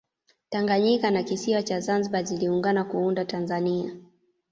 tanganyika na kisiwa cha zanzibar ziliungana kuunda tanzania